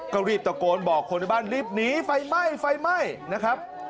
ก็รีบตะโกนบอกคนในบ้านรีบหนีไฟไหม้ไฟไหม้นะครับ